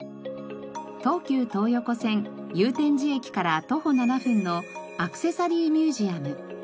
東急東横線祐天寺駅から徒歩７分のアクセサリーミュージアム。